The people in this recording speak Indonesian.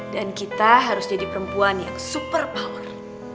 dan kita harus jadi perempuan yang super power